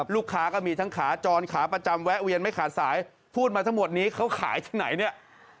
ก็มีทั้งขาจรขาประจำแวะเวียนไม่ขาดสายพูดมาทั้งหมดนี้เขาขายที่ไหนเนี่ย